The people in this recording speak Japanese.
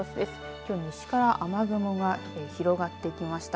きょう、西から雨雲が広がってきました。